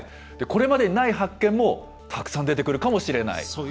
これまでにない発見もたくさん出てくるかもしれない？